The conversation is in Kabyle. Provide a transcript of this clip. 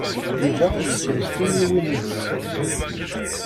Yuba yekres timiwin-is.